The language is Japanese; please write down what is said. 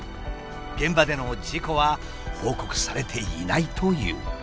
現場での事故は報告されていないという。